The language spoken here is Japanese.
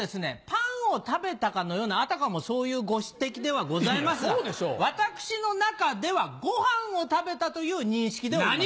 パンを食べたかのようなあたかもそういうご指摘ではございますが私の中ではご飯を食べたという認識でございます。